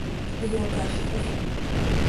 iyocazjoj.